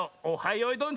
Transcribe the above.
よいどん」